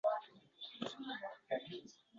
Давлетов уз